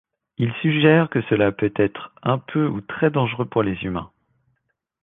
Il suggère que cela peut être un peu ou très dangereux pour les humains.